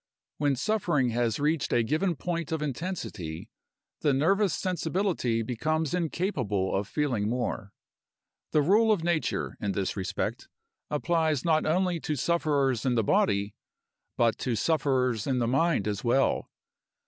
When suffering has reached a given point of intensity the nervous sensibility becomes incapable of feeling more. The rule of Nature, in this respect, applies not only to sufferers in the body, but to sufferers in the mind as well.